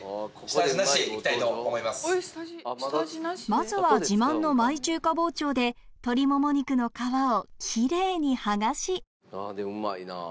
まずは自慢のマイ中華包丁で鶏もも肉の皮を奇麗に剥がしあぁでもうまいな。